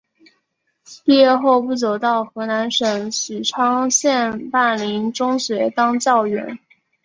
毕业后不久到河南省许昌县灞陵中学当教员。